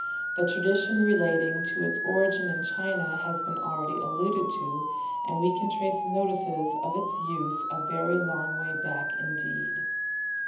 The tradition relating to its origin in China has been already alluded to, and we can trace notices of its use a very long way back indeed.